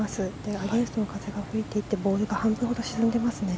アゲンストの風が吹いていてボールが半分ほど沈んでいますね。